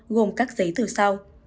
gồm các giấy thử sau